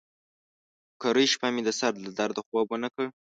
کرۍ شپه مې د سر له درده خوب ونه کړ.